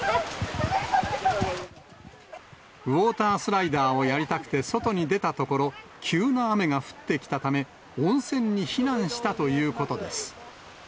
ウォータースライダーをやりたくて外に出たところ、急な雨が降ってきたため、温泉に避難したということです。